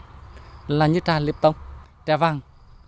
trà này là như trà liệp tông trà văng